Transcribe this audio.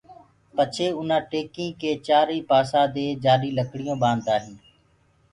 پڇي اُنآ ٽيڪيٚ ڪي چآرئي پآسي دي جآڏي لڪڙيونٚ باندآ هينٚ